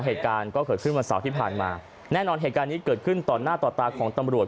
เหตุการณ์ก็เกิดขึ้นวันเสาร์ที่ผ่านมาแน่นอนเหตุการณ์นี้เกิดขึ้นต่อหน้าต่อตาของตำรวจ